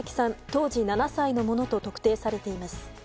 当時７歳のものと特定されています。